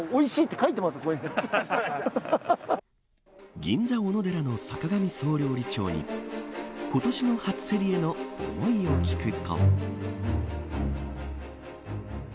銀座おのでらの坂上総料理長に今年の初競りへの思いを聞くと。